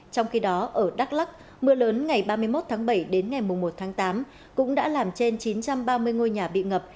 trong khi đó ở đắk lắc mưa lớn ngày ba mươi một tháng bảy đến ngày một tháng tám cũng đã làm trên chín trăm ba mươi ngôi nhà bị ngập